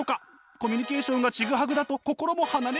コミュニケーションがちぐはぐだと心も離れる。